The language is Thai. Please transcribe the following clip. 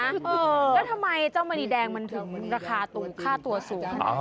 ก็ทำไมเจ้ามณีแดงมันถึงราคาตัวสูง